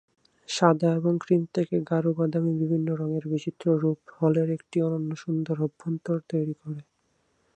সাদা এবং ক্রিম থেকে গাঢ়-বাদামী বিভিন্ন রঙের বিচিত্র রূপ হলের একটি অনন্য সুন্দর অভ্যন্তর তৈরি করে।